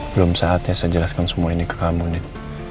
belum saatnya saya jelaskan semua ini ke kamu nih